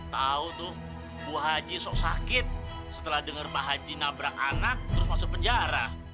tahu tuh bu haji sok sakit setelah dengar pak haji nabrak anak terus masuk penjara